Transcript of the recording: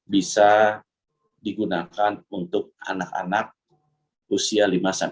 bisa digunakan untuk anak anak usia lima belas